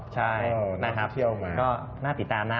ใช่นะครับก็น่าติดตามนะ